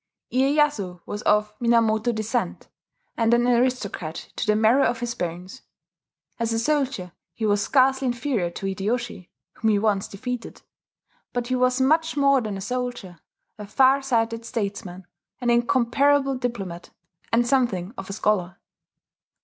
Iyeyasu was of Minamoto descent, and an aristocrat to the marrow of his bones. As a soldier he was scarcely inferior to Hideyoshi, whom he once defeated, but he was much more than a soldier, a far sighted statesman, an incomparable diplomat, and something of a scholar.